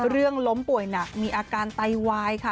ล้มป่วยหนักมีอาการไตวายค่ะ